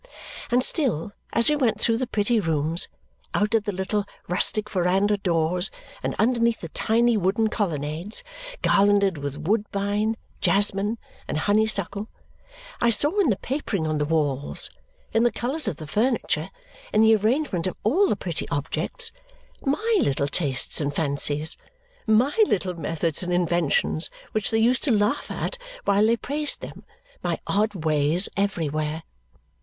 And still, as we went through the pretty rooms, out at the little rustic verandah doors, and underneath the tiny wooden colonnades garlanded with woodbine, jasmine, and honey suckle, I saw in the papering on the walls, in the colours of the furniture, in the arrangement of all the pretty objects, MY little tastes and fancies, MY little methods and inventions which they used to laugh at while they praised them, my odd ways everywhere.